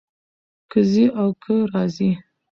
کۀ ځي او کۀ راځي